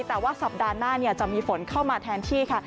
แต่ว่าสัปดาห์หน้าจะมีฝนเข้ามาแทนที่ค่ะ